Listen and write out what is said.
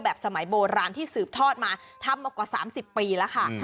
สมัยโบราณที่สืบทอดมาทำมากว่า๓๐ปีแล้วค่ะ